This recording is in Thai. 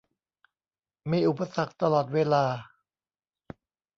มีอุปสรรคตลอดเวลา